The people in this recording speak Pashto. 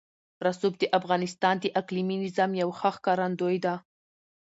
رسوب د افغانستان د اقلیمي نظام یوه ښه ښکارندوی ده.